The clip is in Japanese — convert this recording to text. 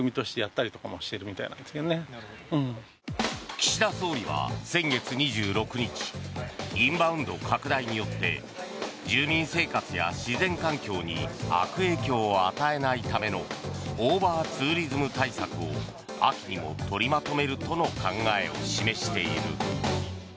岸田総理は先月２６日インバウンド拡大によって住民生活や自然環境に悪影響を与えないためのオーバーツーリズム対策を秋にも取りまとめるとの考えを示している。